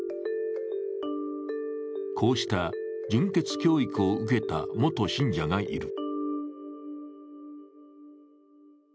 こうした純潔教育を受けた元信者がいる。